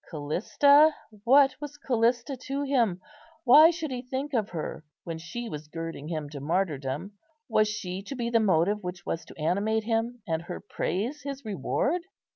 Callista! what was Callista to him? Why should he think of her, when she was girding him to martyrdom? Was she to be the motive which was to animate him, and her praise his reward?